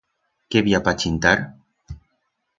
Qué bi ha pa chintar?